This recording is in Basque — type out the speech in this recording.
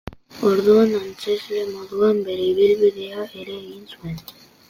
Orduan antzezle moduan bere ibilbidea ere egin zuen.